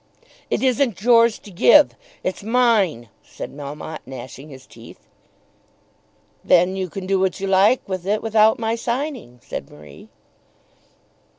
"It isn't yours to give. It's mine," said Melmotte gnashing his teeth. "Then you can do what you like with it without my signing," said Marie.